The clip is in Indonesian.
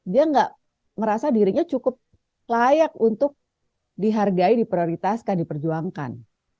dia nggak merasa dirinya cukup layak untuk dihargai diprioritaskan diperjuangkan